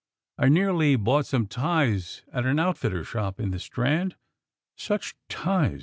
I nearly bought some ties at an outfitter's shop in the Strand such ties!